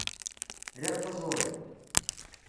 Riɣ taẓuri.